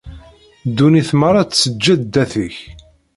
Ddunit merra tseǧǧed ddat-k.